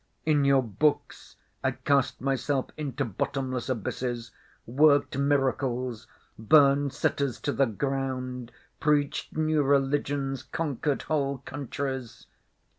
In your books I cast myself into bottomless abysses, worked miracles, burned cities to the ground, preached new religions, conquered whole countries...